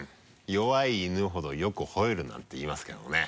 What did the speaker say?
弱い犬ほどよくほえるなんて言いますけどもね。